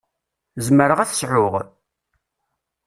Zemreɣ ad t-sεuɣ?